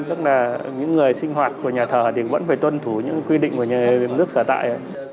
tức là những người sinh hoạt của nhà thờ thì vẫn phải tuân thủ những quy định của nước sở tại